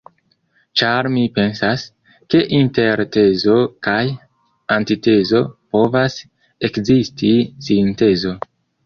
Ĉar mi pensas, ke inter tezo kaj antitezo povas ekzisti sintezo.